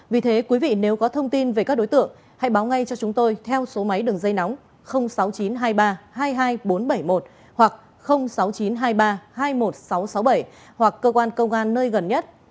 vì thế quý vị nếu có thông tin về các đối tượng hãy báo ngay cho chúng tôi theo số máy đường dây nóng sáu mươi chín hai mươi ba hai mươi hai nghìn bốn trăm bảy mươi một hoặc sáu mươi chín hai mươi ba hai mươi một nghìn sáu trăm sáu mươi bảy hoặc cơ quan công an nơi gần nhất